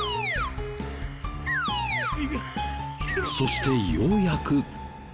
そしてようやく。